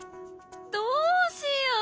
どうしよう！